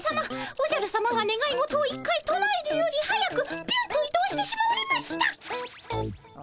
おじゃるさまがねがい事を１回となえるより速くビュンと移動してしまわれましたっ。